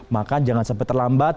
makan jangan sampai terlambat